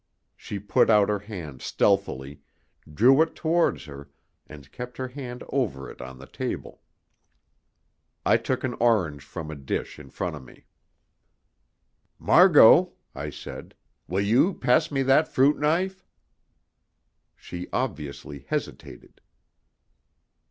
She put out her hand stealthily, drew it towards her, and kept her hand over it on the table. I took an orange from a dish in front of me. "Margot," I said, "will you pass me that fruit knife?" She obviously hesitated.